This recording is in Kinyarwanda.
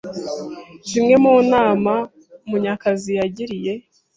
Zimwe mu nama Munyakazi yagiriye